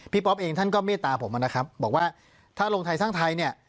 ป๊อปเองท่านก็เมตตาผมนะครับบอกว่าถ้าลงไทยสร้างไทยเนี่ย